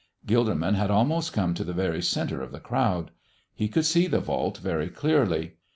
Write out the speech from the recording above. Gilderman had almost come to the very centre of the crowd. He could see the vault very clearly.